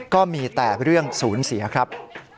ก็มีแต่เรื่องศูนย์เสียครับ